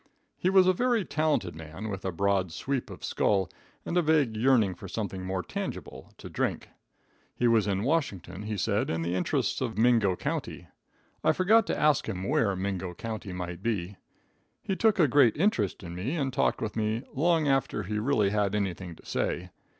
He was a very talented man, with a broad sweep of skull and a vague yearning for something more tangible to drink. He was in Washington, he said, in the interests of Mingo county. I forgot to ask him where Mingo county might be. He took a great interest in me, and talked with me long after he really had anything to say.